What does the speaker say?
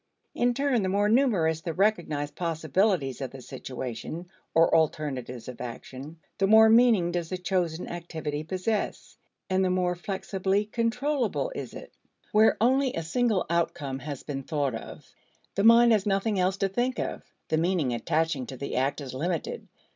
In turn, the more numerous the recognized possibilities of the situation, or alternatives of action, the more meaning does the chosen activity possess, and the more flexibly controllable is it. Where only a single outcome has been thought of, the mind has nothing else to think of; the meaning attaching to the act is limited.